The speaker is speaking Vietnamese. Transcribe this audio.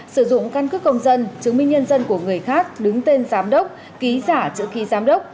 sử dụng căn cứ công dân chứng minh nhân dân của người khác đứng tên giám đốc ký giả chữ ký giám đốc